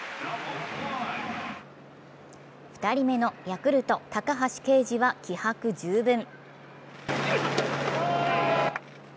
２人目のヤクルト・高橋奎二は気迫十分。